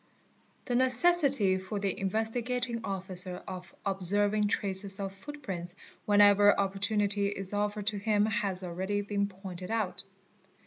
The necessity for the Investigating Officer of observing traces of foo : prints whenever opportunity is offered to him has already been pointed out.